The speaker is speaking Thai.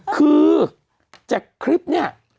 คือจากคลิปเนี่ย